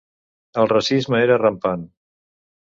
El racisme era rampant.